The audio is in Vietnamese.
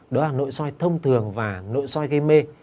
đó là nội soi thông thường và nội soi gây mê